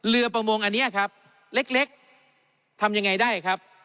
ประมงอันนี้ครับเล็กทำยังไงได้ครับ